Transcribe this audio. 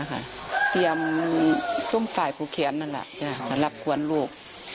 ร่างนี้สุดท้ายพังแขนนั่นแหละหลับกลัวนลูก